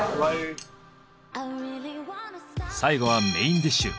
最後はメインディッシュ。